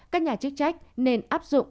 các nhà chức trách nên áp dụng